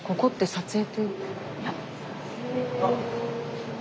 撮影？